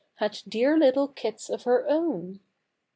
— Had dear little kits of her own !